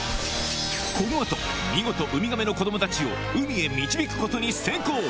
このあと、見事、ウミガメの子どもたちを、海へ導くことに成功。